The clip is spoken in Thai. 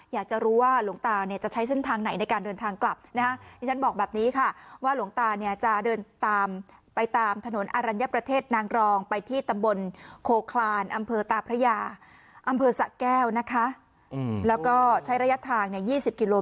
อยากจะรู้ว่าหลวงตาเนี่ยจะใช้เส้นทางไหนในการเดินทางกลับ